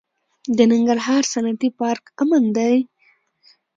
د ننګرهار صنعتي پارک امن دی؟